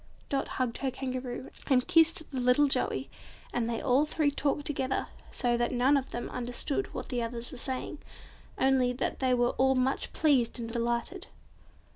Dot hugged her Kangaroo, and kissed the little Joey, and they all three talked together, so that none of them understood what the others were saying, only that they were all much pleased and delighted.